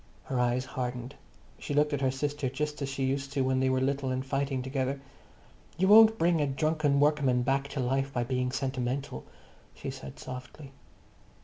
Her eyes hardened. She looked at her sister just as she used to when they were little and fighting together. "You won't bring a drunken workman back to life by being sentimental," she said softly.